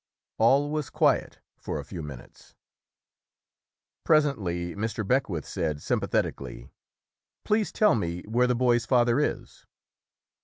All was quiet for a few minutes. 130 ] UNSUNG HEROES Presently Mr. Beckwith said sympathetically, "Please tell me where the boy's father is".